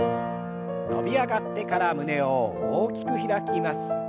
伸び上がってから胸を大きく開きます。